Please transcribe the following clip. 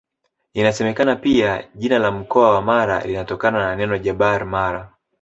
Inasemekana pia jina la mkoa wa Mara linatokana na neno Jabar Mara